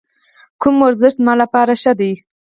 کوم ورزش زما لپاره ښه دی؟